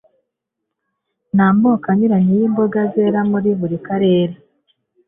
n’amoko anyuranye y’imboga zera muri buri karere,